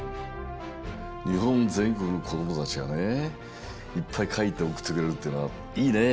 にほんぜんこくのこどもたちがねいっぱいかいておくってくれるっていうのはいいねえ。